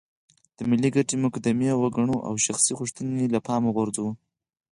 د ملي ګټې مقدمې وګڼو او شخصي غوښتنې له پامه وغورځوو.